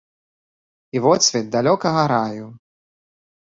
І водсвет далёкага раю.